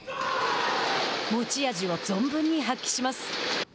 持ち味を存分に発揮します。